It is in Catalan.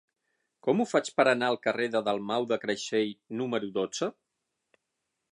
Com ho faig per anar al carrer de Dalmau de Creixell número dotze?